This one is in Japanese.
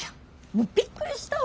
もうびっくりしたわ。